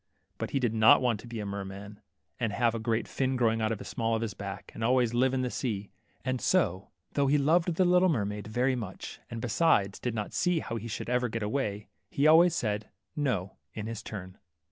'' But he did not want to be a merman, and have a great fin growing out of the small of his back, and always live in the sea \ and so, though he loved the little mermaid very much, and, besides, did not see how he should ever get away, he always said, ^^No," in his turn.